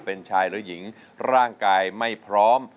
เป็นชายหรือหญิงร่างกายไม่พร้อม